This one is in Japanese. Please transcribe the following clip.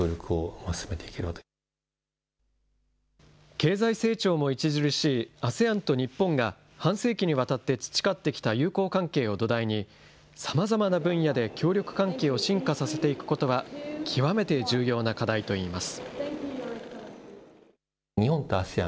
経済成長も著しいＡＳＥＡＮと日本が半世紀にわたって培ってきた友好関係を土台に、さまざまな分野で協力関係を深化させていくことは、極めて重要な課題といいます。